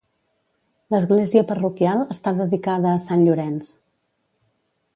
L'església parroquial està dedicada a Sant Llorenç.